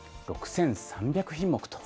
６３００品目と。